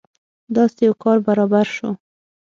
داسې یو کار برابر شو.